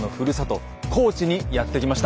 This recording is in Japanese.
高知にやって来ました！